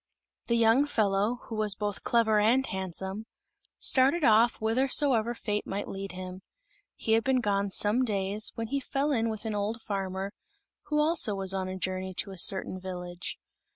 The young fellow, who was both clever and handsome, started off whithersoever fate might lead him. He had been gone some days, when he fell in with an old farmer, who also was on a journey to a certain village.